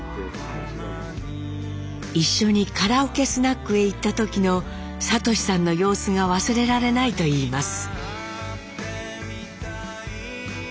一緒にカラオケスナックへ行った時の智さんの様子が忘れられないといいます。